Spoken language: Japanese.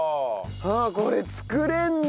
ああこれ作れるんだ。